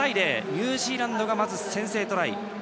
ニュージーランドがまず先制トライ。